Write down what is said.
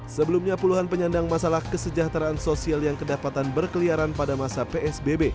sebelumnya puluhan penyandang masalah kesejahteraan sosial yang kedapatan berkeliaran pada masa psbb